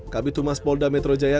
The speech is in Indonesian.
kabitumas polda metro jaya